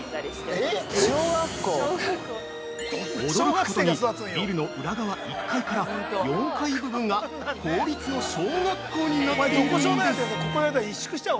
◆驚くことに、ビルの裏側１階から４階部分が公立の小学校になっているんです。